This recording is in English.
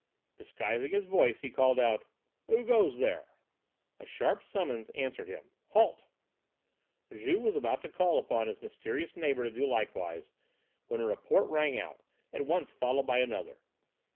Disguising his voice he called out: "Who goes there?" A sharp summons answered him, "Halt!" Juve was about to call upon his mysterious neighbour to do likewise, when a report rang out, at once followed by another.